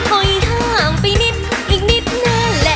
ค้ายผ้างไปนิดอีกนิดเนอะแหละ